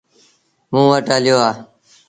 موݩ وٽ هليو آ۔